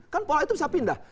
kan pola itu bisa pindah